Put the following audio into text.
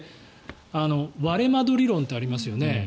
割れ窓理論ってありますよね。